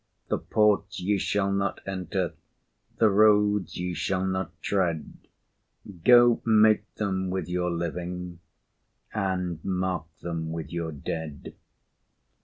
The ports ye shall not enter, The roads ye shall not tread, Go make them with your living, And mark them with your dead.